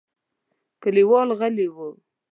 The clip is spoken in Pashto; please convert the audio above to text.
کليوال غلي وو.